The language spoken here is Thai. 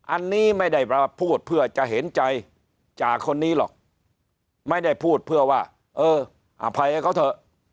อันนี้ไม่ได้มาพูดเพื่อจะเห็นใจจ่าคนนี้หรอกไม่ได้พูดเพื่อว่าเอออภัยให้เขาเถอะ